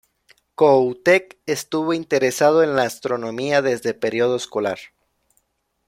Kohoutek estuvo interesado en la astronomía desde periodo escolar.